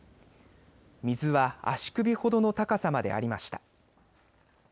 水は足首ほどの高さまでありました。